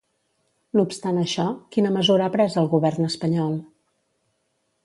No obstant això, quina mesura ha pres el Govern espanyol?